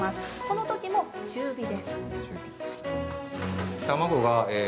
このときも中火。